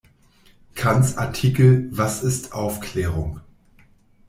Kants Artikel "Was ist Aufklärung?